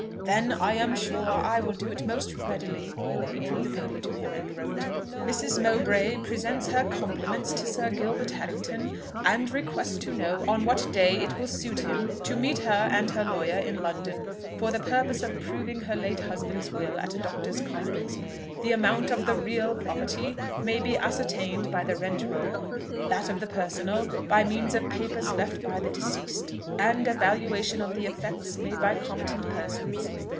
"Then I am sure I will do it most readily." He drew the paper to him and wrote, "Mrs. Mowbray presents her compliments to Sir Gilbert Harrington, and requests to know on what day it will suit him to meet her and her lawyer in London, for the purpose of proving her late husband's will at Doctors' Commons. The amount of the real property may be ascertained by the rent roll; that of the personal, by means of papers left by the deceased, and a valuation of the effects made by competent persons.